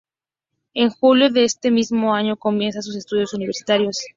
En julio de ese mismo año comienza sus estudios universitarios.